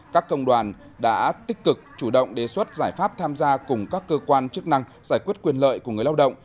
các công đoàn đã tích cực chủ động đề xuất giải pháp tham gia cùng các cơ quan chức năng giải quyết quyền lợi của người lao động